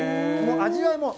味わいも。